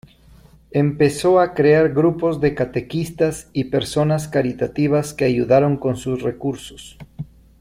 Empezó a crear grupos de catequistas y personas caritativas que ayudaron con sus recursos.